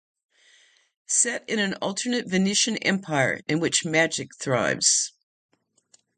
Set in an alternate "Venetian Empire" in which magic thrives.